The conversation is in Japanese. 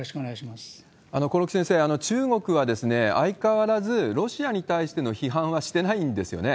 興梠先生、中国は相変わらず、ロシアに対しての批判はしてないんですよね。